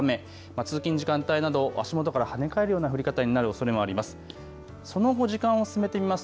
通勤時間帯など足元から跳ね返るような降り方になるおそれもあります。